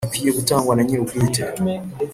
Igisubizo gikwiye gitangwa nanyirubwite.